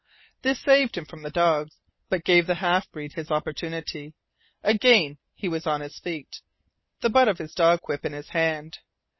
This saved him from the dogs, but gave the half breed his opportunity. Again he was on his feet, the butt of his dog whip in his hand.